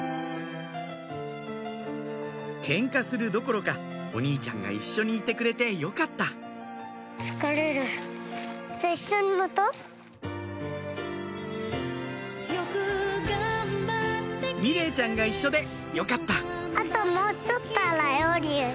ケンカするどころかお兄ちゃんが一緒にいてくれてよかった美玲ちゃんが一緒でよかった